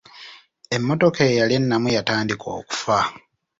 Emmotoka eyali ennamu yatandika okufa.